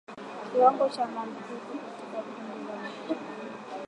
Kiwango cha maambukizi katika kundi la mifugo